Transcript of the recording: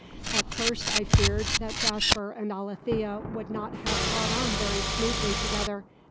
At first I feared that Jasper and Alethea would not have got on very smoothly together.